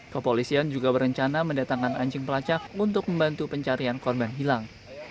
kepolisian juga berencana mendatangkan anjing pelacak untuk membantu pencarian korban hilang